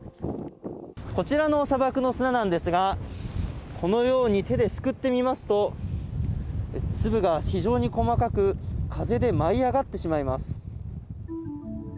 こちらの砂漠の砂なんですが、このように手ですくってみますと粒が非常に細かく、風で舞い上がってしまいます。